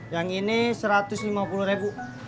yang ini rp satu ratus lima puluh